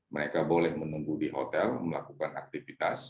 mereka boleh menunggu di hotel melakukan aktivitas